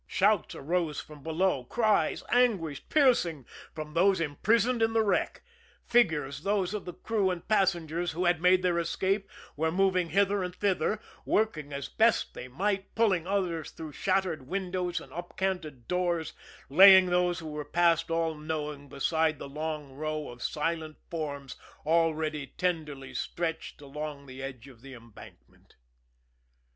Shouts arose from below; cries, anguished, piercing, from those imprisoned in the wreck; figures, those of the crew and passengers who had made their escape, were moving hither and thither, working as best they might, pulling others through shattered windows and up canted doors, laying those who were past all knowing beside the long row of silent forms already tenderly stretched upon the edge of the embankment.